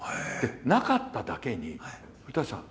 なかっただけに「古さん